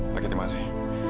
pak hendra makasih